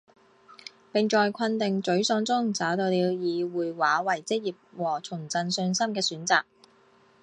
并在困顿沮丧中找到了以绘画为职业和重振信心的选择。